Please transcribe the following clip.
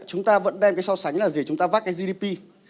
chúng ta vẫn đem cái so sánh là gì chúng ta vác cái gdp